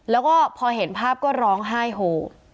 แล้วก็พอเห็นภาพก็ร้องไห้โหด